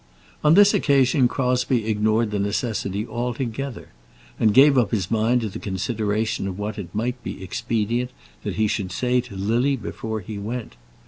On this occasion Crosbie ignored the necessity altogether, and gave up his mind to the consideration of what it might be expedient that he should say to Lily before he went.